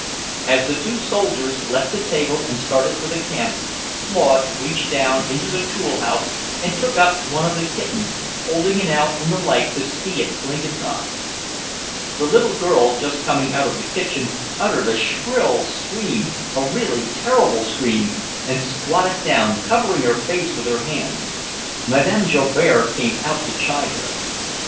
As the two soldiers left the table and started for the camp, Claude reached down into the tool house and took up one of the kittens, holding it out in the light to see it blink its eyes. The little girl, just coming out of the kitchen, uttered a shrill scream, a really terrible scream, and squatted down, covering her face with her hands. Madame Joubert came out to chide her.